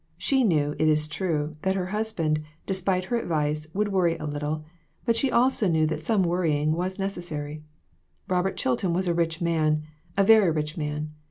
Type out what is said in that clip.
She knew, it is true, that her husband, despite her advice, would woiry a little, but she also knew that some worrying" was necessary. Robert Chilton was a rich man a very rich man.